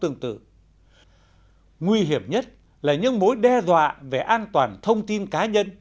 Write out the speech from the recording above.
nguy hiểm nhất là những mối đe dọa về an toàn thông tin cá nhân